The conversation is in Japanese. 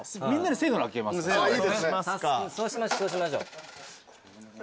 そうしましょうそうしましょう。